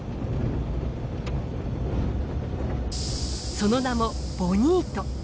その名もボニート。